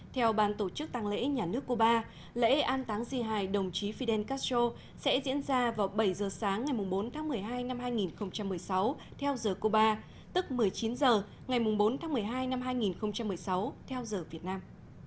theo ban tổ chức tăng lễ nhà nước cuba lễ an táng di hài đồng chí fidel castro sẽ diễn ra vào bảy giờ sáng ngày bốn tháng một mươi hai năm hai nghìn một mươi sáu theo giờ cuba tức một mươi chín h ngày bốn tháng một mươi hai năm hai nghìn một mươi sáu theo giờ việt nam